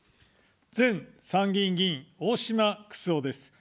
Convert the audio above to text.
前参議院議員、大島九州男です。